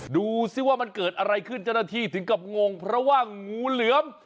ดูสิว่ามันเกิดอะไรขึ้นเจ้าหน้าที่ถึงกับงงเพราะว่างูเหลือม